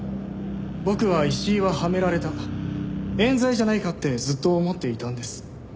僕は石井ははめられた冤罪じゃないかってずっと思っていたんです。